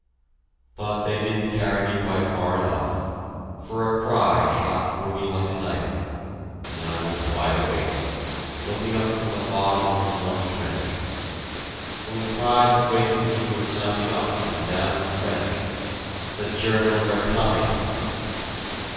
But they didn't carry me quite far enough, for a cry shot through me like a knife, and I was wide awake, looking up from the bottom of a muddy trench. And the cry that wakened me was sounding up and down the trench, "The Germans are coming!"